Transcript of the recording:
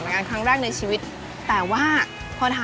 ต้องลองรู้นะคะ